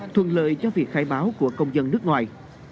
thuận lợi cho việc khai báo của công dân nước ngoài